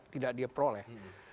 tidak dia peroleh